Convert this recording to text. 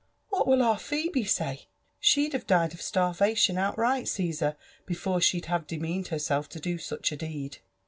What will our Phebe gay? She'd have died of starvation outright, Caesar, before she'd have demeaned herself to do such a deed."